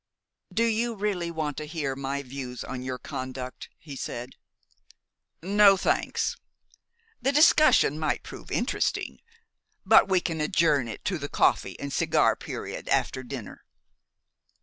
"Do you really want to hear my views on your conduct?" he said. "No, thanks. The discussion might prove interesting, but we can adjourn it to the coffee and cigar period after dinner."